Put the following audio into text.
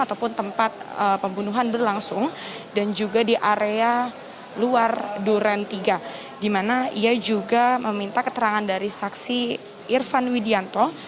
ataupun tempat pembunuhan berlangsung dan juga di area luar duren tiga di mana ia juga meminta keterangan dari saksi irfan widianto